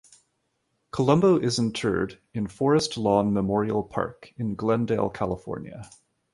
Columbo is interred in Forest Lawn Memorial Park in Glendale, California.